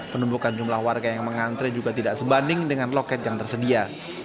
penumbukan jumlah warga yang mengantre juga tidak sebanding dengan loket yang tersedia